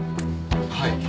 はい。